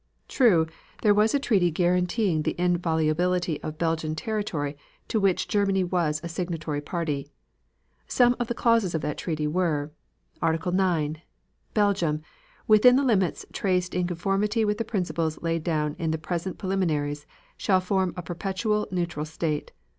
True, there was a treaty guaranteeing the inviolability of Belgian territory to which Germany was a signatory party. Some of the clauses of that treaty were: Article 9. Belgium, within the limits traced in conformity with the principles laid down in the present preliminaries, shall form a perpetually neutral state.